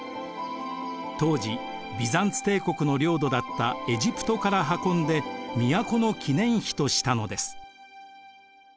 当時ビザンツ帝国の領土だったエジプトから運んで都の記念碑としたのです。